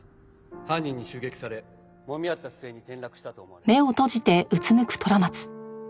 犯人に襲撃されもみ合った末に転落したと思われる。